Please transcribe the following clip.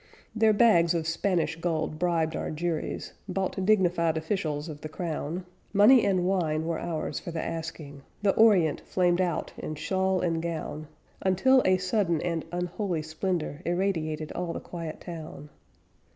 Their bags of Spanish gold bribed our juries, Bought dignified officials of the Crown; Money and wine were ours for the asking; The Orient flamed out in shawl and gown, Until a sudden and unholy splendor Irradiated all the quiet town.